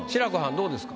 どうですか？